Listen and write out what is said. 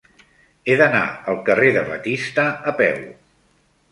He d'anar al carrer de Batista a peu.